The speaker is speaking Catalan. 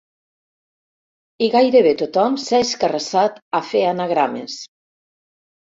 I gairebé tothom s'ha escarrassat a fer anagrames.